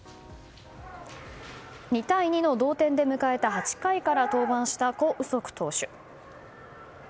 ２対２の同点で迎えた８回から登板したコ・ウソク投手。